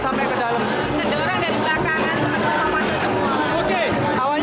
gak boleh kita sudah di dalam orangnya diusir ke luar